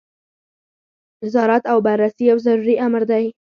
نظارت او بررسي یو ضروري امر دی.